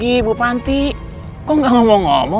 dia udah tanggal banyak sekolah